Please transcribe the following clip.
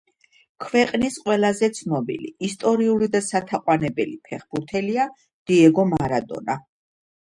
ქვეყნის ყველაზე ცნობილი, ისტორიული და სათაყვანებელი ფეხბურთელია დიეგო მარადონა.